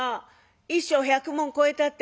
「１升１００文超えたってな」。